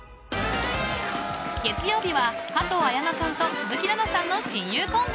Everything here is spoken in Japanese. ［月曜日は加藤綾菜さんと鈴木奈々さんの親友コンビ］